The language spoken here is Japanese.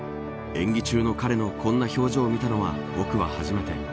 演技中の彼のこんな表情を見たのは僕は初めて。